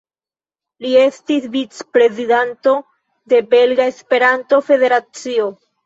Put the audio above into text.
Li estis vic-prezidanto de Belga Esperanto-Federacio.